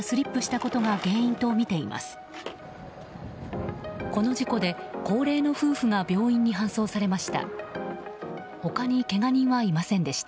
この事故で高齢の夫婦が病院に搬送されました。